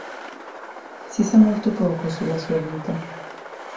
Si sa molto poco sulla sua vita.